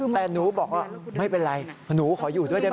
แต่หนูบอกว่าไม่เป็นไรหนูขออยู่ด้วยได้ไหม